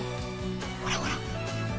ほらほら！